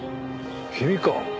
君か。